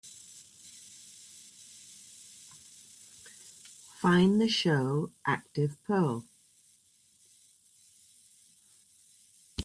Find the show ActivePerl